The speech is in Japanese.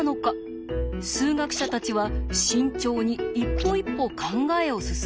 数学者たちは慎重に一歩一歩考えを進めていきました。